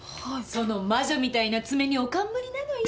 その魔女みたいな爪におかんむりなのよ。